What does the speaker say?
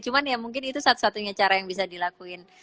cuman ya mungkin itu satu satunya cara yang bisa dilakuin